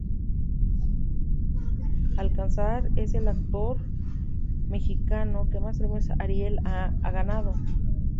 Alcázar es el actor mexicano que más Premios Ariel ha ganado.